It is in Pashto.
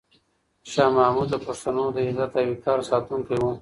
شاه محمود د پښتنو د عزت او وقار ساتونکی و.